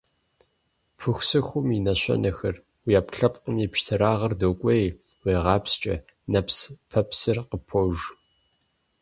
Пыхусыхум и нэщэнэхэр: уи Ӏэпкълъэпкъым и пщтырагъыр докӀуей, уегъапсчэ, нэпс-пэпсыр къыпож.